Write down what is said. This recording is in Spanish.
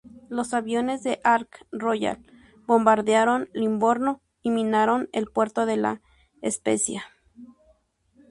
Los aviones del Ark Royal bombardearon Livorno y minaron el puerto de La Spezia.